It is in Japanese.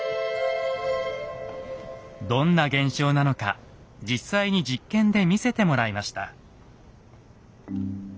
どんな現象なのか実際に実験で見せてもらいました。